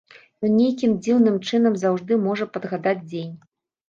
Ён нейкім дзіўным чынам заўжды можа падгадаць дзень.